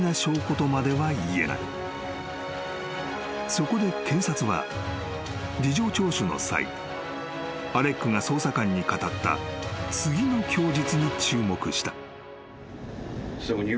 ［そこで検察は事情聴取の際アレックが捜査官に語った次の供述に注目した］